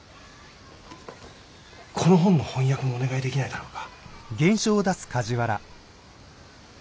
この本の翻訳もお願いできないだろうか。